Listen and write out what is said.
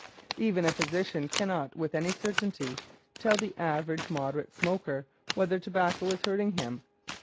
Even a physician cannot with any certainty tell the average moderate smoker whether tobacco is hurting him.